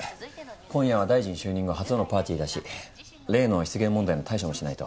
今夜は大臣就任後初のパーティーだし例の失言問題の対処もしないと。